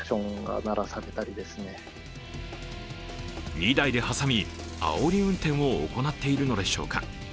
２台で挟みあおり運転を行っているのでしょうか。